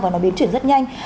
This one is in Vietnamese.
và nó biến chuyển rất nhanh